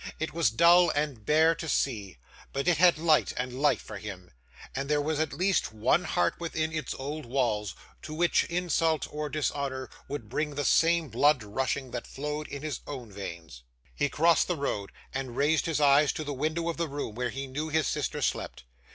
It was dull and bare to see, but it had light and life for him; for there was at least one heart within its old walls to which insult or dishonour would bring the same blood rushing, that flowed in his own veins. He crossed the road, and raised his eyes to the window of the room where he knew his sister slept.